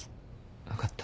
分かった。